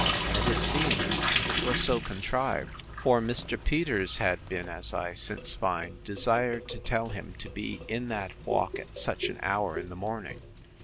And, it seems, it was so contrived; for Mr. Peters had been, as I since find, desired to tell him to be in that walk at such an hour in the morning.